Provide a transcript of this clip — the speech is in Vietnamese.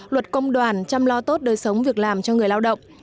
luật công đoàn chăm lo tốt đời sống việc làm cho người lao động